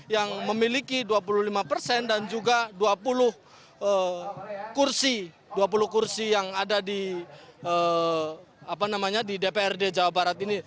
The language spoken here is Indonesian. yang memiliki dua puluh lima persen dan juga dua puluh kursi dua puluh kursi yang ada di dprd jawa barat ini